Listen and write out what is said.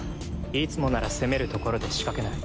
いつもなら攻めるところで仕掛けない。